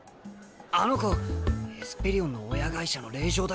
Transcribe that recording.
あの子エスペリオンの親会社の令嬢だよな。